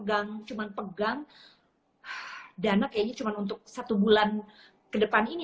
jadi bisa dibilang sih terpukul ya karena sekarang ini pemasukan ini kita tuh sekarang lagi ya